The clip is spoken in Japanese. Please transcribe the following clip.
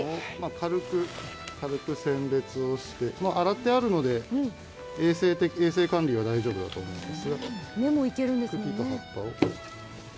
軽く選別をして洗ってあるので、衛生管理は大丈夫だと思います。